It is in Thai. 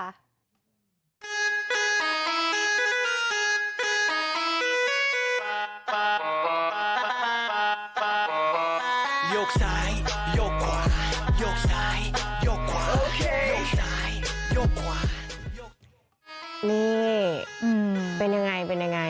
นี่เป็นยังไงเป็นยังไง